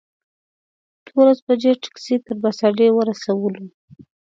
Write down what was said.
دولس بجې ټکسي تر بس اډې ورسولو.